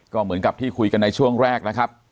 ก็เหมือนกับที่คุยกันในช่วงแรกนะครับ